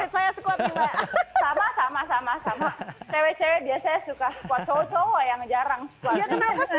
ini favorit saya squat juga